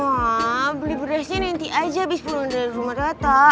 tata beli berasnya nanti aja abis pulang dari rumah tata